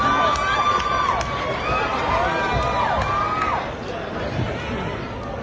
สบายแล้ว